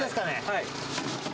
はい。